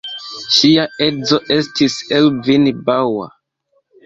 Ŝia edzo estis Ervin Bauer.